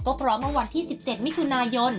ก็พร้อมวันที่๑๗มิถุนายน